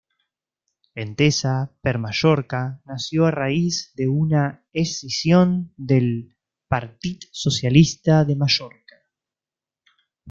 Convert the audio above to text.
Entesa per Mallorca nació a raíz de una escisión del Partit Socialista de Mallorca.